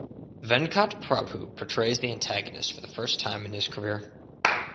Venkat Prabhu portrays the antagonist for the first time in his career.